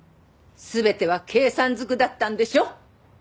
全ては計算ずくだったんでしょ？